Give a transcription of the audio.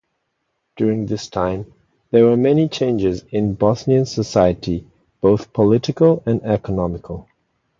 During this time there were many changes in Bosnian society, both political and economical.